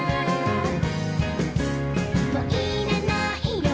「もういらないよ